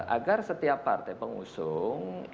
agar setiap partai pengusul